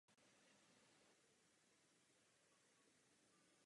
Nejbližší železniční stanice je Jesenice.